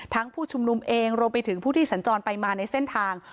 ผู้ชุมนุมเองรวมไปถึงผู้ที่สัญจรไปมาในเส้นทาง